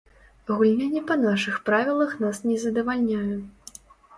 Гульня не па нашых правілах нас не задавальняе.